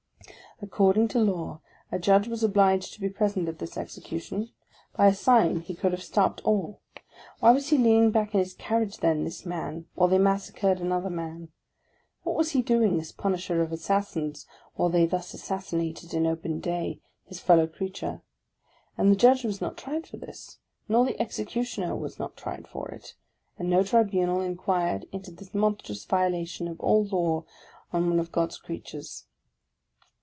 According to law, a judge was obliged to be present at this execution; by a sign he could have stopped all. Why was he leaning back in his carriage then, this man, while they massacred another man? What was he doing, this punisher of assassins, while they thus assassinated, in open day, his fellow creature? And the Judge was not tried for this; nor the Executioner was not tried for it ; and no tribunal in quired into this monstrous violation of all law on one of God's creatures.